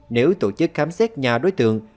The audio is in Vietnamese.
nếu tổ chức khám xét nhà đối tượng